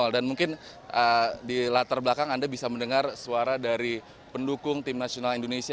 dan mungkin di latar belakang anda bisa mendengar suara dari pendukung tim nasional indonesia